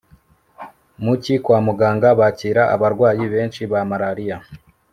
mu cyi kwa muganga bakira abarwayi benshi ba malariya